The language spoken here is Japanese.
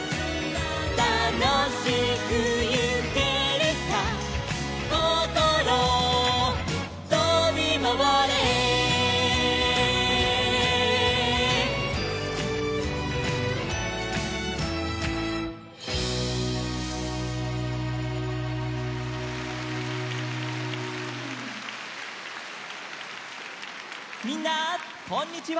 「たのしくいけるさ」「こころとびまわれ」みんなこんにちは。